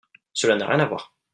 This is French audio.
Cela n’a rien à voir